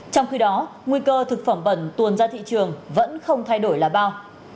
trong khi đó nguy cơ thực phẩm bẩn tuồn ra thị trường vẫn không thay đổi là bao